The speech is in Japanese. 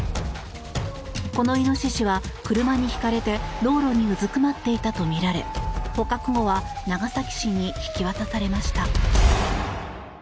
このイノシシは車にひかれて道路にうずくまっていたとみられ捕獲後は長崎市に引き渡されました。